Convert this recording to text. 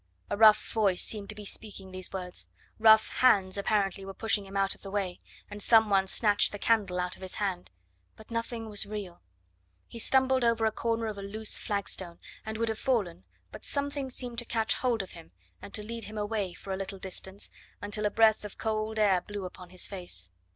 A rough voice seemed to be speaking these words; rough hands apparently were pushing him out of the way, and some one snatched the candle out of his hand; but nothing was real. He stumbled over a corner of a loose flagstone, and would have fallen, but something seemed to catch hold of him and to lead him away for a little distance, until a breath of cold air blew upon his face.